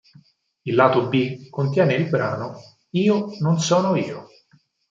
Il lato B contiene il brano "Io non sono io".